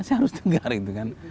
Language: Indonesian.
saya harus tegar itu kan